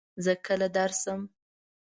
زۀ کله درشم ؟